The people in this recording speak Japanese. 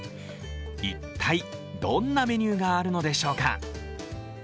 一体どんなメニューがあるのでしょうか。